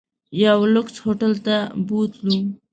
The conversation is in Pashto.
یو لوکس هوټل ته بوتلو.